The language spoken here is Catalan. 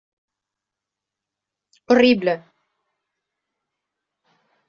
Horrible.